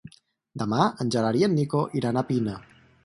Demà en Gerard i en Nico iran a Pina.